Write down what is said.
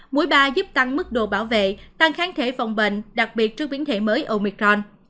mũi ba giúp tăng mức độ bảo vệ tăng kháng thể phòng bệnh đặc biệt trước biến thể mới omicron